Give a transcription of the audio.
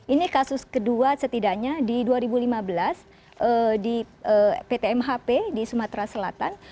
ini kasus kedua setidaknya di dua ribu lima belas di pt mhp di sumatera selatan